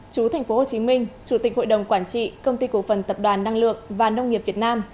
chú tp hcm chủ tịch hội đồng quản trị công ty cổ phần tập đoàn năng lượng và nông nghiệp việt nam